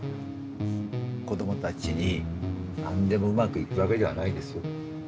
子どもたちに「何でもうまくいくわけではないですよ。